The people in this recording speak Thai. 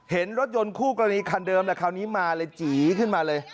เห็นรถยนต์คู่กรณีคันเดิมแหละคราวนี้มาเลยจีขึ้นมาเลย